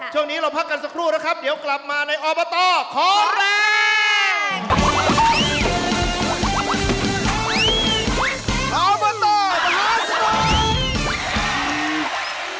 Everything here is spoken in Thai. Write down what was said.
ช่วงนี้เราพักกันสักครู่นะครับเดี๋ยวกลับมาในอบตขอแรง